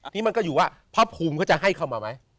นี่มันก็อยู่ว่าพระภูมิเขาจะให้เข้ามาไหม